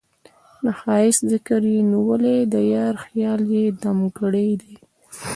د ښــــــــایست ذکر یې نیولی د یار خیال یې دم ګړی دی